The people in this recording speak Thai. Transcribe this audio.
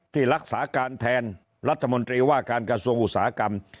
ที่รักษาการแทนรัฐมนตรีว่าการกระทรวงอุตสาหกรรม